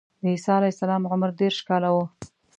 د عیسی علیه السلام عمر دېرش کاله و.